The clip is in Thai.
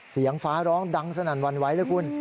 เสียงฟ้าร้องดังสนันวรรดิไว้นะคุณ